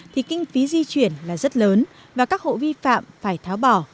thì kinh phí di chuyển là rất lớn và các hộ vi phạm phải tháo bỏ